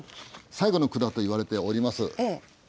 最後の句だといわれております